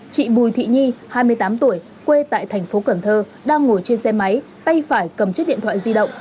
chị bùi thị nhi hai mươi tám tuổi quê tại thành phố cần thơ đang ngồi trên xe máy tay phải cầm chiếc điện thoại di động